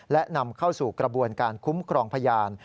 และนำเข้าสู่กระบวนการคุ้มครองพยาน